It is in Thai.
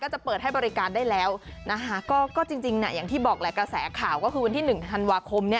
จะเปิดให้บริการได้แล้วนะคะก็จริงอย่างที่บอกแหละกระแสข่าวก็คือวันที่๑ธันวาคม